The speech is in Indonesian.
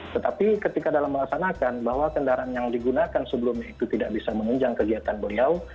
tetapi ketika dalam melaksanakan bahwa kendaraan yang digunakan sebelumnya itu tidak bisa menunjang kegiatan beliau